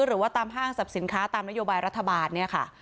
หรือว่าตามห้างสรรพสินค้าตามนโยบายรัฐบาลเนี่ยค่ะ